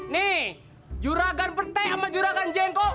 nih juragan petai sama juragan jengkol